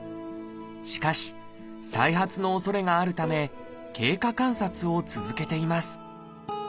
しかし再発のおそれがあるため経過観察を続けています。